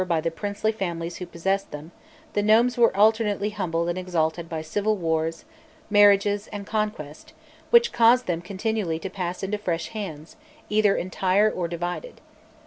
Ceaselessly quarrelled over by the princely families who possessed them, the nomes were alternately humbled and exalted by civil wars, marriages, and conquest, which caused them continually to pass into fresh hands, either entire or divided.